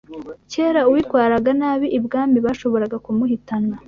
Kera uwitwaraga nabi ibwami bashoboraga kumuhitana